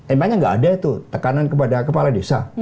emanya nggak ada itu tekanan kepada kepala desa